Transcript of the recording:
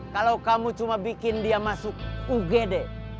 kalau kamu cuma bikin dia masuk ugd